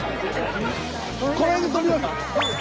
この辺で撮ります？